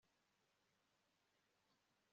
mugira muti iminsi ibaye myinshi